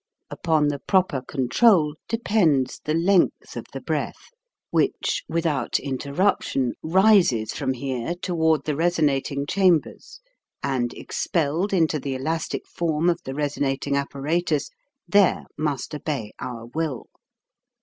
Upon the proper control depends the length of the breath, which, without interruption, THE TREMOLO 181 rises from here toward the resonating cham bers, and, expelled into the elastic form of the resonating apparatus, there must obey our will.